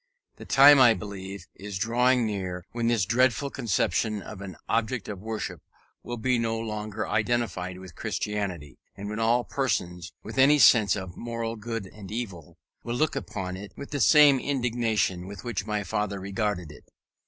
The time, I believe, is drawing near when this dreadful conception of an object of worship will be no longer identified with Christianity; and when all persons, with any sense of moral good and evil, will look upon it with the same indignation with which my father regarded it.